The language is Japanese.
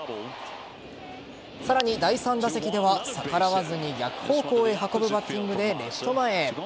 さらに、第３打席では逆らわずに逆方向へ運ぶバッティングでレフト前へ。